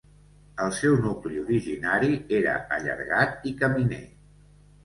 El seu nucli originari era allargat i caminer.